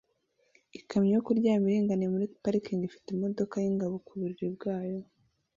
Ikamyo yo kuryama iringaniye muri parikingi ifite imodoka yingabo ku buriri bwayo